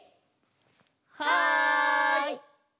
はい！